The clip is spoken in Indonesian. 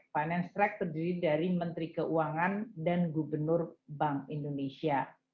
finance track terdiri dari menteri keuangan dan gubernur bank indonesia